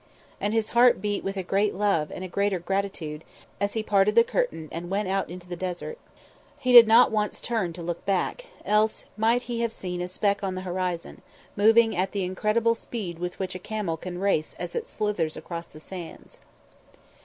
And his heart beat with a great love and a greater gratitude as he parted the curtain and went out into the desert. He did not once turn to look back, else might he have seen a speck on the horizon, moving at the incredible speed with which a camel can race as it slithers across the sands.